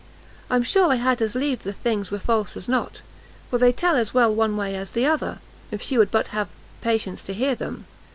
I am sure I had as lieve the things were false as not, for they tell as well one way as the other, if she would but have patience to hear them.